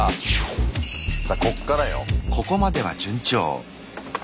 さあこっからよ。